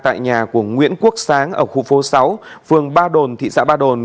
tại nhà của nguyễn quốc sáng ở khu phố sáu phường ba đồn thị xã ba đồn